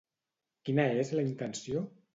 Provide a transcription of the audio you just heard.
Quina és la intenció?